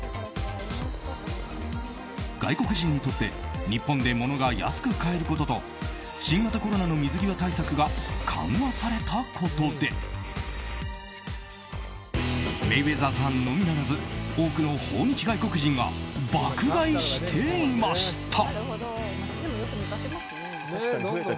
外国人にとって日本で物が安く買えることと新型コロナの水際対策が緩和されたことでメイウェザーさんのみならず多くの訪日外国人が爆買いしていました。